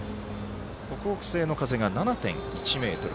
北北西の風が７．１メートル。